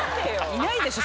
いないでしょ